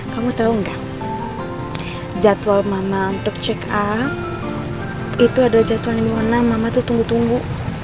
kamu tau gak jadwal mama untuk check up itu ada jadwal yang dimana mama tuh tunggu tunggu